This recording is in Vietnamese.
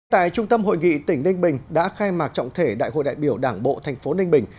tại trung tâm hội nghị tỉnh ninh bình đã khai mạc trọng thể đại hội đại biểu đảng bộ thành phố ninh bình